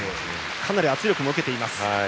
かなり圧力も受けています。